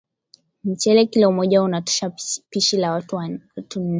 Mchele Kilo moja unatosha pishi la watu nne